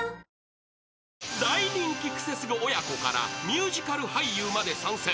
［大人気クセスゴ親子からミュージカル俳優まで参戦］